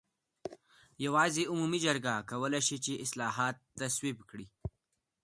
یوازې عمومي جرګه کولای شي چې اصلاحات تصویب کړي.